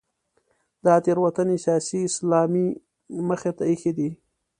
دا تېروتنې سیاسي اسلام مخې ته اېښې دي.